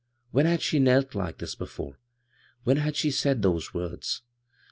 When had she knelt like thisl>efore? When had she said those words